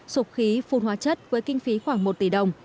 sụp khí phun hóa chất với kinh phí khoảng một tỷ đồng